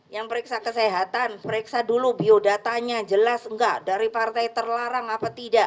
yang periksa kesehatan periksa dulu biodatanya jelas enggak dari partai terlarang apa tidak